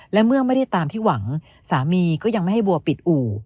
และเมื่อไม่ได้ตามที่หวังสามีก็ยังไม่ให้บัวปิดอู่